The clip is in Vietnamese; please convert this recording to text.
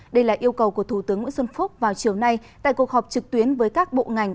đây là yêu cầu của thủ tướng nguyễn xuân phúc vào chiều nay tại cuộc họp trực tuyến với các bộ ngành